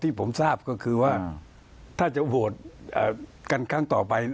ผมทราบก็คือว่าถ้าจะโหวตกันครั้งต่อไป